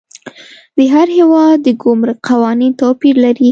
د هر هیواد د ګمرک قوانین توپیر لري.